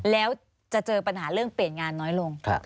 แล้วจะเจอปัญหาเรื่องเปลี่ยนงานน้อยลง